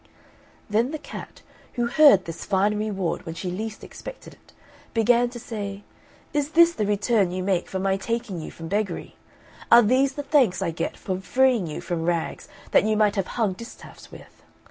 Then the cat, who heard this fine reward when she least expected it, began to say, "Is this the return you make for my taking you from beggary? Are these the thanks I get for freeing you from rags that you might have hung distaffs with?